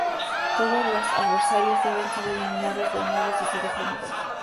Todos los adversarios deben ser eliminados de nuevo si se deja el nivel.